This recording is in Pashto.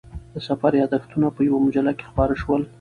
د سفر یادښتونه په یوه مجله کې خپاره شول.